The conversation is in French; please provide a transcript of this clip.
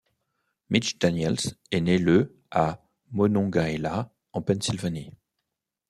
Mitch Daniels est né le à Monongahela en Pennsylvanie.